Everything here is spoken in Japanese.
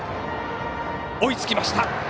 追いつきました。